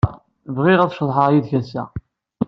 Bɣiɣ ad ceḍḥeɣ yid-k ass-a.